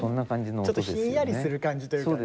ちょっとひんやりする感じというかね。